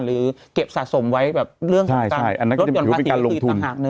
หรือเก็บสะสมไว้แบบเรื่องของการลดหย่อนปฏิวิตต่างหากนึง